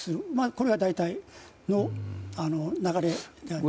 これが大体の流れです。